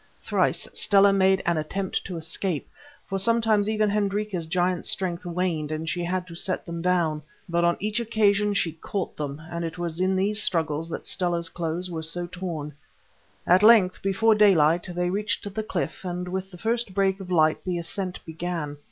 Thrice Stella made an attempt to escape, for sometimes even Hendrika's giant strength waned and she had to set them down. But on each occasion she caught them, and it was in these struggles that Stella's clothes were so torn. At length before daylight they reached the cliff, and with the first break of light the ascent began.